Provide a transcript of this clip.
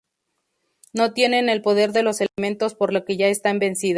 No tienen el poder de los elementos por lo que ya están vencidas.